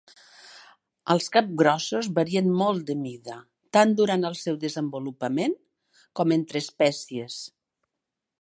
Els capgrossos varien molt de mida, tant durant el seu desenvolupament com entre espècies.